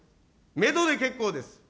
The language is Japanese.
メドで結構です。